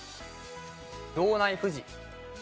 洞内富士。